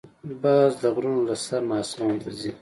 باز د غرونو له سر نه آسمان ته ځي